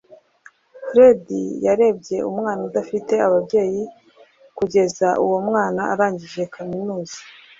Fred yarebye umwana udafite ababyeyi kugeza uwo mwana arangije kaminuza